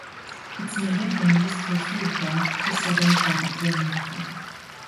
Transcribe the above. Its native range is Costa Rica to Southern Tropical America.